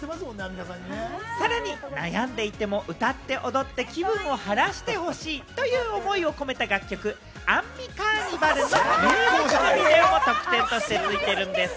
さらに、悩んでいても歌って踊って気分を晴らしてほしいという思いを込めた楽曲『アンミカーニバル』のミュージックビデオも特典として付いてるんでぃす。